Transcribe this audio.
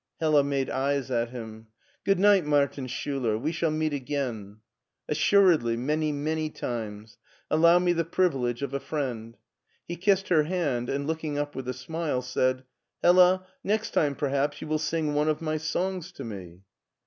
Hella made eyes at him. " Good night, Martin Schiiler ; we shall meet again." '* Assuredly, many, many times. Allow me the privilege of a friend." He kissed her hand, and, looking up with a smile, said: " Hella, next time perhaps you will sing one of my songs to me."